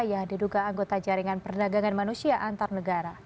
yang diduga anggota jaringan perdagangan manusia antar negara